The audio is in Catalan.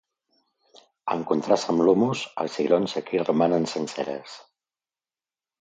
En contrast amb l'hummus, els cigrons aquí romanen senceres.